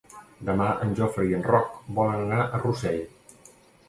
Demà en Jofre i en Roc volen anar a Rossell.